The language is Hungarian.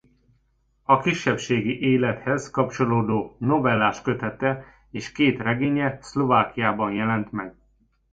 A kisebbségi élethez kapcsolódó novelláskötete és két regénye Szlovákiában jelent meg.